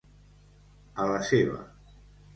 A la seva.